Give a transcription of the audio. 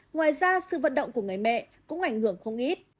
ngoài ra sự vận động của người mẹ cũng ảnh hưởng không ít